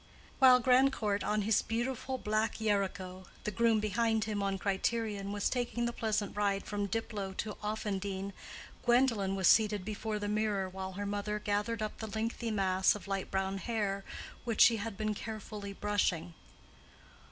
While Grandcourt on his beautiful black Yarico, the groom behind him on Criterion, was taking the pleasant ride from Diplow to Offendene, Gwendolen was seated before the mirror while her mother gathered up the lengthy mass of light brown hair which she had been carefully brushing.